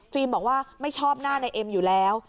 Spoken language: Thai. บอกว่าไม่ชอบหน้าในเอ็มอยู่แล้ว